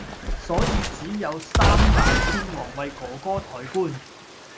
所以只有“三大天王”為“哥哥”抬棺。